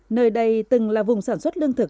nơi đây từng là vùng sản xuất lương thực